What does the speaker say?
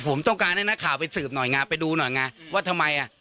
ผมต้องการให้นักข่าวไปสืบหน่อยไงไปดูหน่อยไงว่าทำไมอ่ะ